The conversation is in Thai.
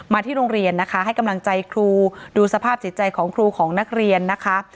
ที่โรงเรียนนะคะให้กำลังใจครูดูสภาพจิตใจของครูของนักเรียนนะคะ